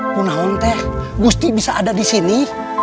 punaun teh gusti bisa ada disini